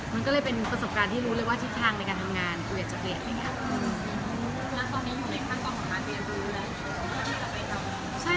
มันก็เลยเป็นประสบการณ์ที่รู้เลยว่าที่ทางในการทำงานกูอยากจะเปลี่ยน